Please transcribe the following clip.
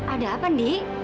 ada apa ndi